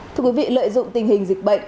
thưa quý vị lợi dụng tình hình dịch bệnh